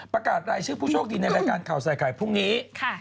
ประกาศรายชื่อผู้โชคดีในรายการข่าวใส่ไข่พรุ่งนี้